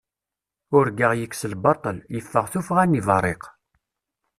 Urgaɣ yekkes lbaṭel, yeffeɣ tuffɣa n yiberriq.